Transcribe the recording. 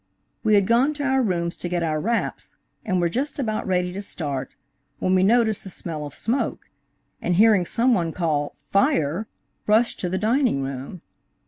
We had gone to our rooms to get our wraps, and were just about ready to start, when we noticed the smell of smoke, and hearing someone call "Fire!" rushed to the dining room.